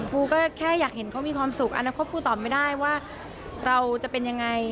กูก็แค่อยากเห็นเขามีความสุขอนาคตปูตอบไม่ได้ว่าเราจะเป็นยังไง